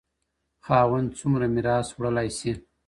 خاوند څومره ميراث وړلای سي؟